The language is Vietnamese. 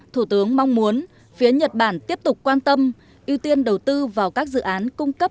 thủ tướng mong muốn phía nhật bản tiếp tục quan tâm ưu tiên đầu tư vào các dự án cung cấp